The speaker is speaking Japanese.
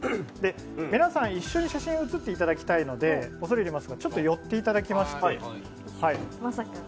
皆さん、一緒に写真に写っていただきたいのでちょっと寄っていただきまして。